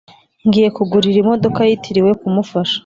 ngiye kugurira imodoka yitirirwe kumufasha